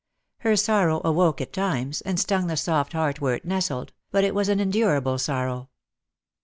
Her sorrow awoke at times, and stung the toft heart where it nestled, bat it was an endurable sorrow.